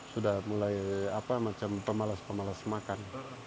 sudah mulai macam pemalas pemalas makan